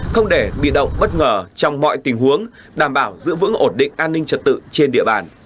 không để bị động bất ngờ trong mọi tình huống đảm bảo giữ vững ổn định an ninh trật tự trên địa bàn